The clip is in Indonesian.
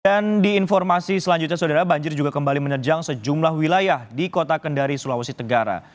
dan di informasi selanjutnya saudara banjir juga kembali menerjang sejumlah wilayah di kota kendari sulawesi tegara